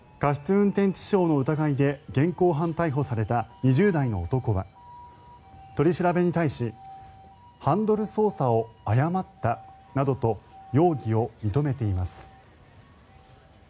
運転致傷の疑いで現行犯逮捕された２０代の男は取り調べに対しハンドル操作を誤ったなどと容疑を認めています。